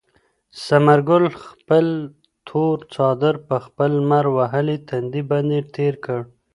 ثمر ګل خپل تور څادر په خپل لمر وهلي تندي باندې تېر کړ.